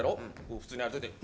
普通に歩いてて。